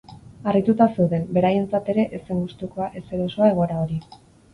Harrituta zeuden, beraientzat ere ez zen gustukoa ez erosoa egoera hori.